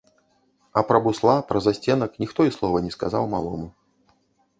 А пра бусла, пра засценак ніхто і слова не сказаў малому.